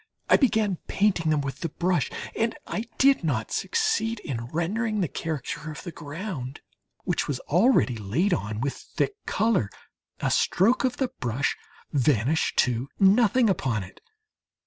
I began painting them with the brush and I did not succeed in rendering the character of the ground which was already laid on with thick colour, a stroke of the brush vanished to nothing upon it.